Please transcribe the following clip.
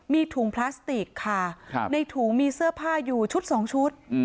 มีถุงพลาสติกค่ะในถุงมีเสื้อผ้าอยู่ชุดสองชุด